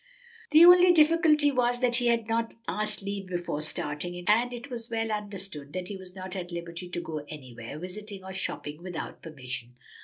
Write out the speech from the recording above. The only difficulty was that he had not asked leave before starting, and it was well understood that he was not at liberty to go anywhere visiting or shopping without permission.